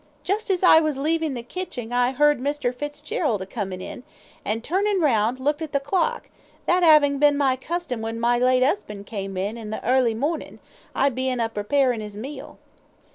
Just as I was leavin' the kitching I 'eard Mr. Fitzgerald a comin' in, and, turnin' round, looked at the clock, that 'avin' been my custom when my late 'usband came in, in the early mornin', I bein' a preparin' 'is meal."